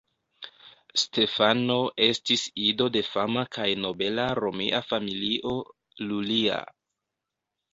Stefano estis ido de fama kaj nobela romia familio "Iulia".